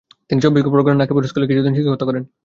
তিনি চব্বিশ পরগণার নকিপুর স্কুলে কিছুদিন শিক্ষকতা করেন।